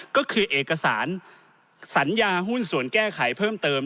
ก็คือเอกสารสัญญาหุ้นส่วนแก้ไขเพิ่มเติม